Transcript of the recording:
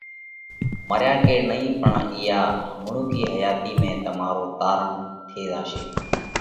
مريا ڪيڙ نئين پڻ اِيئا همڻُوڪِي حياتِي ۾، تمارو تارڻ ٿي زاشي۔